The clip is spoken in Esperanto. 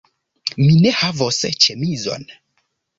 Mi ne havos ĉemizon